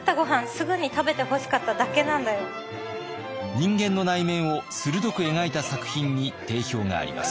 人間の内面を鋭く描いた作品に定評があります。